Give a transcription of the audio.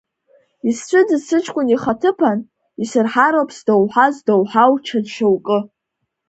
Исцәыӡыз сыҷкәын ихаҭыԥан исырҳароуп сдоуҳа здоуҳау ҽа шьоукы.